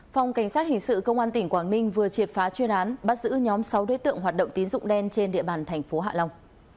phòng cảnh sát hình sự công an tỉnh quảng ninh vừa triệt phá chuyên án bắt giữ nhóm sáu đối tượng hoạt động tín dụng đen trên địa bàn thành phố hạ long